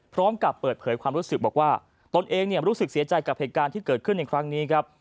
พร้อมกับเปิดเผยความรู้สึกบอกว่าตนเองรู้สึกเสียใจกับเหตุการณ์ที่เกิดขึ้นในครั้งนี้ครับ